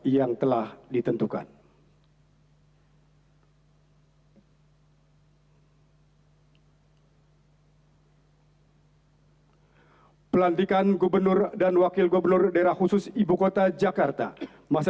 ya beragama islam